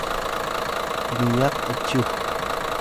kmiyak ’cyux